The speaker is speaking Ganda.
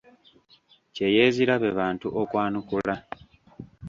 Kye yeezira be bantu okwanukula.